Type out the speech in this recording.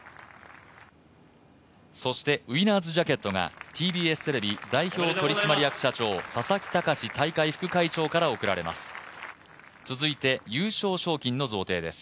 そして、ウイナーズジャケットがＴＢＳテレビ代表取締役社長佐々木卓大会副会長から贈られます。